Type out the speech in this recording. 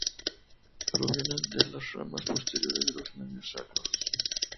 Provienen de las ramas posteriores de los nervios sacros.